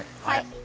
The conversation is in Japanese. はい。